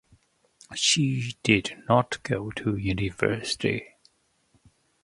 She did not go to university.